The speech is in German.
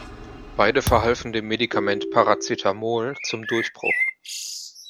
Beide verhalfen dem Medikament Paracetamol zum Durchbruch.